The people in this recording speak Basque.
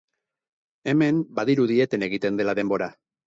Hemen, badirudi eten egiten dela denbora.